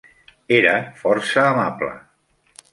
Era força amable.